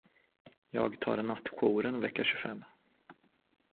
Jag tar nattjouren vecka tjugofem.